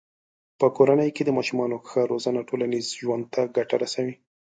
په کورنۍ کې د ماشومانو ښه روزنه ټولنیز ژوند ته ګټه رسوي.